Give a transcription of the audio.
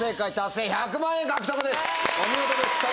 お見事でした。